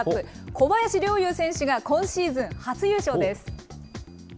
小林陵侑選手が今シーズン初優勝です。